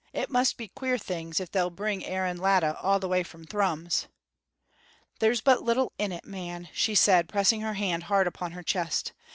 "It must be queer things if they'll bring Aaron Latta all the way from Thrums." "There's but little in it, man," she said, pressing her hand hard upon her chest.